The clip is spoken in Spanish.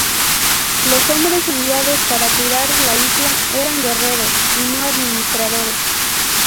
Los hombres enviados para cuidar de la isla eran guerreros, y no administradores.